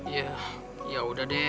ya ya udah deh